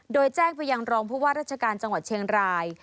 โดยแจ้งไปยังรองผู้ว่าราชการจังหวัดเชียงราย